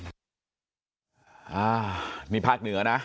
อ่ามีภาพหนึ่งอ่ะนะ